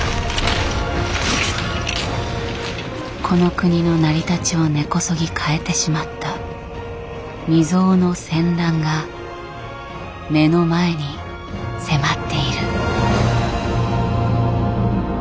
この国の成り立ちを根こそぎ変えてしまった未曽有の戦乱が目の前に迫っている。